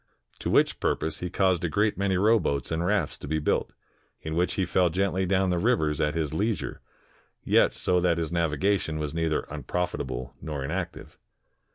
To which purpose he caused a great many rowboats and rafts to be built, in which he fell gently down the rivers at his leisure, yet so that his navigation was neither unprofit able nor inactive.